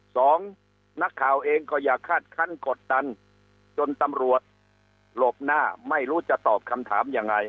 สองนักข่าวเองก็อย่าคาดคันกดดันจนตำรวจหลบหน้าไม่รู้จะตอบคำถามยังไง